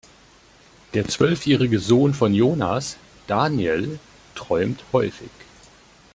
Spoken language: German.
Der zwölfjährige Sohn von Jonas, Daniel, träumt häufig.